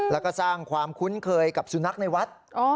แล้วก็สร้างความคุ้นเคยกับสุนัขในวัด